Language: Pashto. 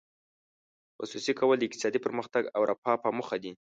خصوصي کول د اقتصادي پرمختګ او رفاه په موخه دي.